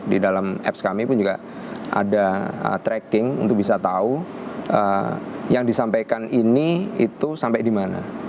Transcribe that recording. di dalam apps kami pun juga ada tracking untuk bisa tahu yang disampaikan ini itu sampai di mana